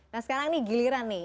nah sekarang nih giliran nih